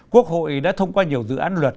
quốc hội đã thông qua nhiều dự án luật